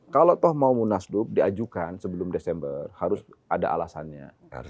kalau toh mau munaslup diajukan sebelum desember harus ada alasannya